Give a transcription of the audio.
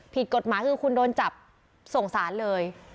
ผิดกฎหมายคือคุณโดนจับส่งสารเลย